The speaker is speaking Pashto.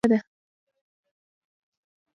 تنور د تنګې سیمې د خوړو فابریکه ده